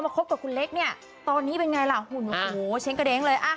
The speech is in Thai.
พอมาคบกับคุณเล็กตอนนี้เป็นไงล่ะหุ่นเซ็งเกอร์เด้งเลย